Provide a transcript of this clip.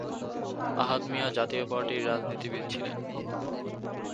আহাদ মিয়া জাতীয় পার্টির রাজনীতিবিদ ছিলেন।